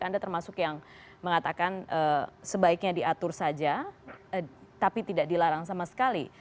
anda termasuk yang mengatakan sebaiknya diatur saja tapi tidak dilarang sama sekali